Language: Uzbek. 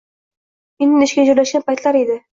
Endi ishga joylashgan paytlari edi